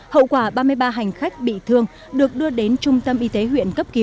hậu quả ba mươi ba hành khách bị thương được đưa đến trung tâm y tế